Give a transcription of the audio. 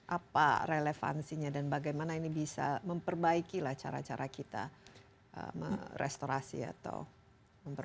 apa relevansinya dan bagaimana ini bisa memperbaiki lah cara cara kita merestorasi atau memperbaiki